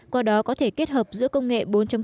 qua đó có thể kết hợp giữa công nghệ bốn